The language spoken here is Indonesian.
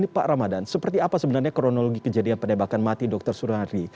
pak ramadan seperti apa sebenarnya kronologi kejadian penembakan mati dr surari